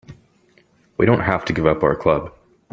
We don't have to give up our club.